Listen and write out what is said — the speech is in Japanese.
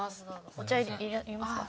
お茶いりますか？